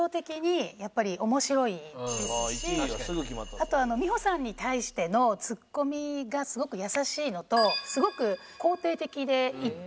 あとは美穂さんに対してのツッコミがすごく優しいのとすごく肯定的で言って。